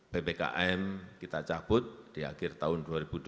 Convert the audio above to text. ppkm kita cabut di akhir tahun dua ribu dua puluh